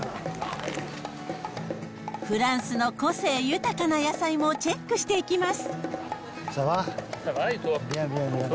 フランスの個性豊かな野菜もチェックしていきます。